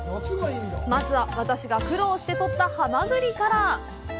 まずは私が苦労して取ったハマグリから。